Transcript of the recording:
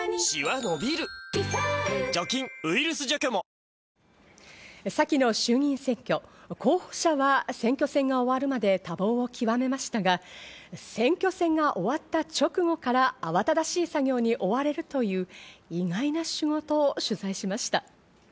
白川村では２年前に先の衆議院選挙、候補者は選挙戦が終わるまで多忙をきわめましたが、選挙戦が終わった直後から慌ただしい作業に追われるという意外な仕事を取材しました。